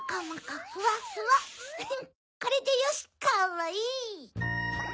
これでよしかわいい！